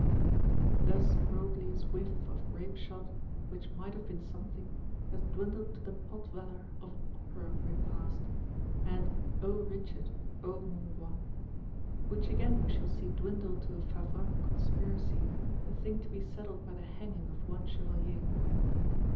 Thus Broglie's whiff of grapeshot, which might have been something, has dwindled to the pot valour of an Opera Repast, and O Richard, O mon Roi. Which again we shall see dwindle to a Favras' Conspiracy, a thing to be settled by the hanging of one Chevalier.